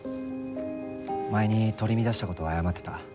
前に取り乱した事を謝ってた。